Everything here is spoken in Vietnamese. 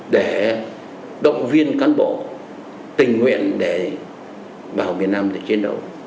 để động viên cán bộ tình nguyện để vào miền nam để chiến đấu